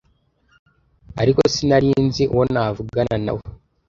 ariko sinari nzi uwo navugana na we.